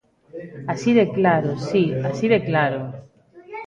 Así de claro; si, así de claro.